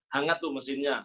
hangat tuh mesinnya